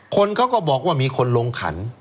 คนเขาก็บอกว่ามีคนลงขัน